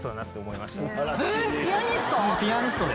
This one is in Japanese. えっピアニスト